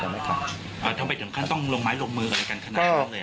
ทำไมถึงขั้นต้องลงไม้ลงมืออะไรกันขนาดนั้นเลย